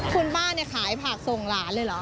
คุณป้าเนี่ยขายผักส่งหลานเลยเหรอ